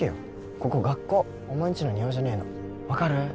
ここ学校お前んちの庭じゃねえの分かる？